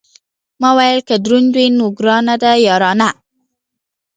ما ویل که دروند وي، نو ګرانه ده یارانه.